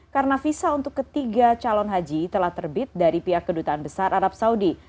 karena visa untuk ketiga calon haji telah terbit dari pihak kedutaan besar arab saudi